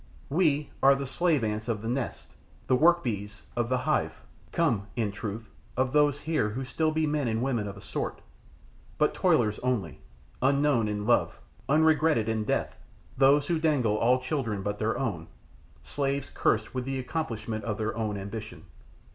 We are the slave ants of the nest, the work bees of the hive, come, in truth, of those here who still be men and women of a sort, but toilers only; unknown in love, unregretted in death those who dangle all children but their own slaves cursed with the accomplishment of their own ambition."